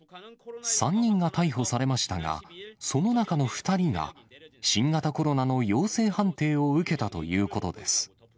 ３人が逮捕されましたが、その中の２人が、新型コロナの陽性判定を受けたということです。